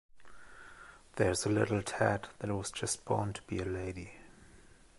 There's a little tad that was just born to be a lady.